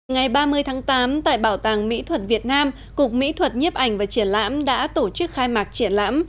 ngày ba mươi tháng tám tại bảo tàng mỹ thuật việt nam cục mỹ thuật nhiếp ảnh và triển lãm đã tổ chức khai mạc triển lãm